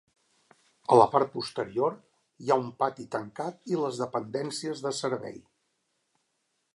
A la part posterior hi ha un pati tancat i les dependències de servei.